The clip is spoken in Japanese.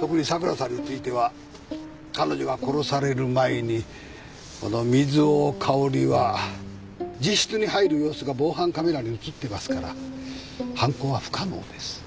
特に桜さんについては彼女が殺される前に水尾香織は自室に入る様子が防犯カメラに映ってますから犯行は不可能です。